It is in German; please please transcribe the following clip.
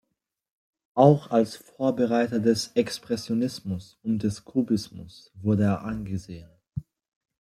Auch als Vorbereiter des Expressionismus und des Kubismus wurde er angesehen.